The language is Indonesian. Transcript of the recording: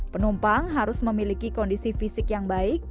penumpang harus memiliki kondisi fisik yang baik